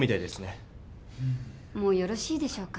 もうよろしいでしょうか？